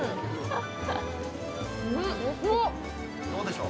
どうでしょう？